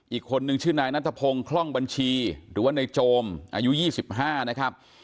อีกคนนึงชื่อนายนัทพงศ์คล่องบัญชีหรือว่าในโจมอายุ๒๕นะครับ